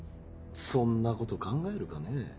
そんなこと考えるかねぇ。